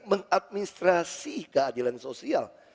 mengadministrasi keadilan sosial